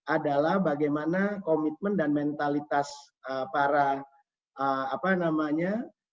adalah bagaimana komitmen dan mentalitas para apa namanya